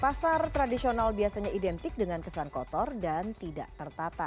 pasar tradisional biasanya identik dengan kesan kotor dan tidak tertata